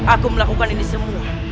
aku melakukan ini semua